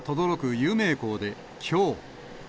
有名校で、きょう。